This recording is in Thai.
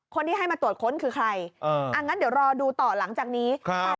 คนที่ให้มาตรวจค้นคือใครอ่างั้นเดี๋ยวรอดูต่อหลังจากนี้ครับ